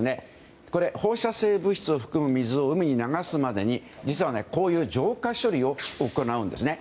放射性物質を含む水を海に流すまでに実はこういう浄化処理を行うんですね。